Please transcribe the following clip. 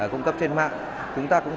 cung cấp trên mạng chúng ta cũng